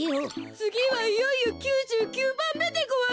つぎはいよいよ９９ばんめでごわす。